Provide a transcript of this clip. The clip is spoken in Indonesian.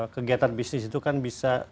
kegiatan bisnis itu kan bisa